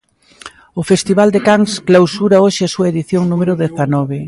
O festival de Cans clausura hoxe a súa edición número dezanove.